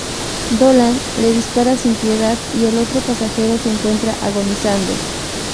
Dolan le dispara sin piedad y el otro pasajero se encuentra agonizando.